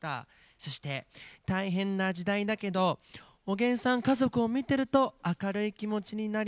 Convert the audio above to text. そして「大変な時代だけどおげんさん家族を見てると明るい気持ちになります。